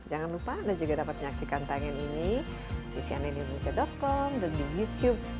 jangan lupa anda juga dapat menyaksikan tangan ini di cnnindonesia com dan di youtube